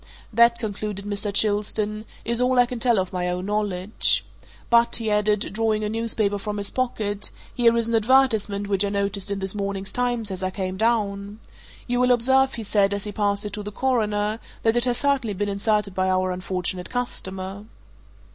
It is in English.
That," concluded Mr. Chilstone, "is all I can tell of my own knowledge. But," he added, drawing a newspaper from his pocket, "here is an advertisement which I noticed in this morning's Times as I came down. You will observe," he said, as he passed it to the Coroner, "that it has certainly been inserted by our unfortunate customer."